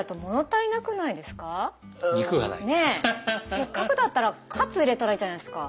せっかくだったらカツ入れたらいいじゃないですか。